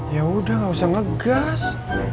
ya udah gak usah ngegas